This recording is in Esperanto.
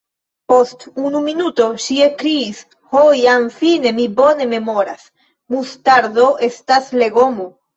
Post unu minuto ŝi ekkriis: "Ho jam fine mi bone memoras: Mustardo estas legomo. »